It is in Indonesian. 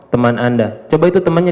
teman anda coba itu temannya